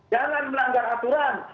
jangan melanggar aturan